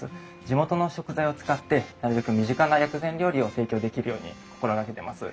地元の食材を使ってなるべく身近な薬膳料理を提供できるように心がけてます。